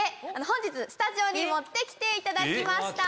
本日スタジオに持って来ていただきました。